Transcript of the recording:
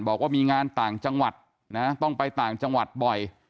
บอกว่ามีงานต่างจังหวัดนะต้องไปต่างจังหวัดบ่อย